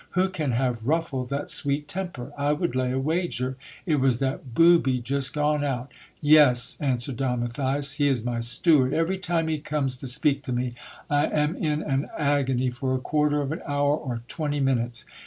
Who can have ruffled that sweet temper ? I would lay a wager, it was that booby just gone out." YesV answered Don Matthias,"he is my steward. Every time he comes to speak to me, I am in an agony for a quarter of an hour or twenty minutes.